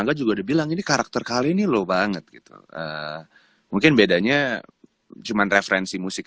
angga juga udah bilang ini karakter kali ini lo banget gitu mungkin bedanya cuman referensi musik